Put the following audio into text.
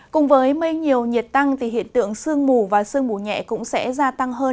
cùng với mây nhiều nhiệt tăng thì hiện tượng sương mù và sương mù nhẹ cũng sẽ gia tăng hơn